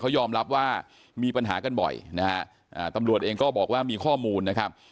เขายอมรับว่ามีปัญหากันบ่อยนะฮะตำรวจเองก็บอกว่ามีข้อมูลนะครับ